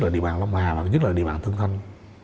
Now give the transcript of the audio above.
điểm bàn lâm hà và nhất là điểm bàn tương thanh